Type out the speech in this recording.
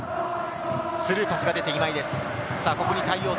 スルーパスが出て今井です。